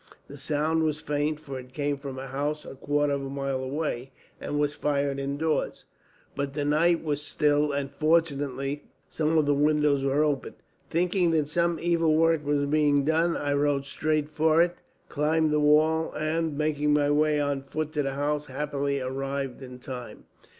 The sound was faint, for it came from a house a quarter of a mile away, and was fired indoors; but the night was still, and fortunately some of the windows were open. Thinking that some evil work was being done, I rode straight for it, climbed the wall and, making my way on foot to the house, happily arrived in time."